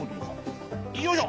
よいしょ。